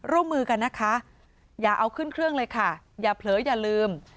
ร่วมมือกันนะคะอย่าเอาขึ้นเครื่องเลยค่ะอย่าเผลออย่าลืม